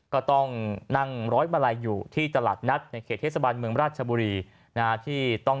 ก็ต้องนั่งร้อยมาลัยอยู่ที่ตลาดนัดในเขตเทศบาลเมืองราชบุรีที่ต้อง